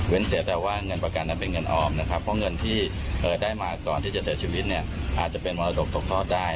เสียแต่ว่าเงินประกันนั้นเป็นเงินออมนะครับเพราะเงินที่ได้มาก่อนที่จะเสียชีวิตเนี่ยอาจจะเป็นมรดกตกทอดได้